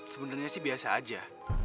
sebenarnya sih biasa aja